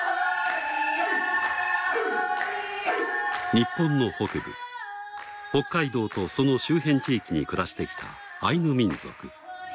日本の北部北海道とその周辺地域に暮らしてきた。